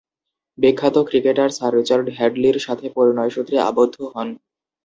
বিখ্যাত cricketer sir Richard হ্যাডলি’র সাথে পরিণয়সূত্রে আবদ্ধ হন।